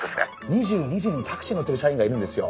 ２２時にタクシー乗ってる社員がいるんですよ。